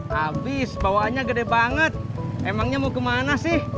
habis bawaannya gede banget emangnya mau ke mana sih